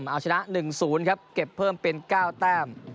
เอาชนะ๑๐ครับเก็บเพิ่มเป็น๙แต้ม